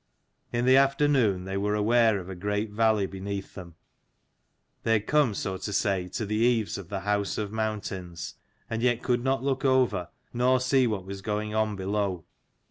In the afternoon they were aware of 117 a great valley beneath them. They had come so to say to the eaves of the house of mountains and yet could not look over, nor see what was going on below.